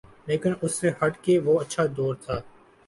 لیکن اس سے ہٹ کے وہ اچھا دور تھا۔